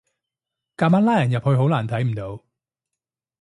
夾硬拉人入去好難睇唔到